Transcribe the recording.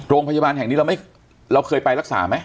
โรงพยาบาลแห่งนี้เราเคยไปรักษาไหม